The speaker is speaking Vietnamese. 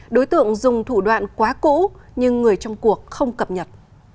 đối tượng dùng thủ đoạn quá cũ nhưng người trong cuộc không cập nhật